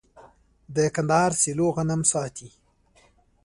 د کندهار سیلو غنم ساتي.